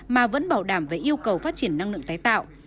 mà vẫn bảo đảm về yêu cầu phát triển năng lượng tái tạo